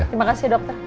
terima kasih dokter